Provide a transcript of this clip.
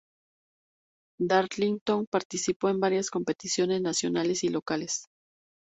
El Darlington participó en varias competiciones nacionales y locales.